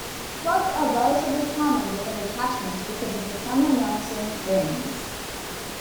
Floods are relatively common within the catchment because of the summer monsoon rains.